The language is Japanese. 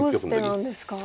どうしてなんですか？